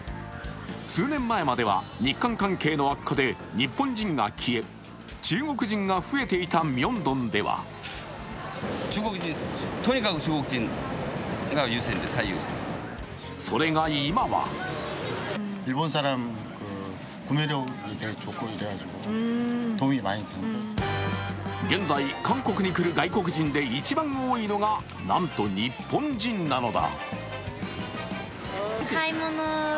数年前までは日韓関係の悪化で日本人が消え中国人が増えていたミョンドンではそれが今は現在、韓国に来る外国人で一番多いのがなんと日本人なのだ。